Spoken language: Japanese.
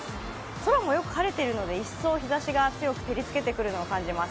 空もよく晴れているので、一層日ざしが照りつけているのを感じます。